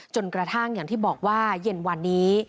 จนกระทั่งอย่างที่บอกว่าเย็นวันนี้